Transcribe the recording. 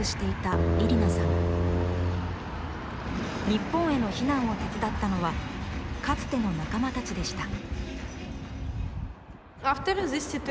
日本への避難を手伝ったのはかつての仲間たちでした。